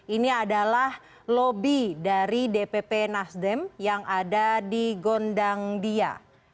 ini adalah lobby dari dpp nasdem yang ada di gondang dia